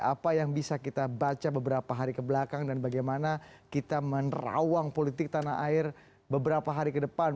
apa yang bisa kita baca beberapa hari kebelakang dan bagaimana kita menerawang politik tanah air beberapa hari ke depan